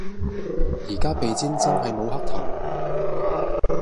而家鼻尖真係無黑頭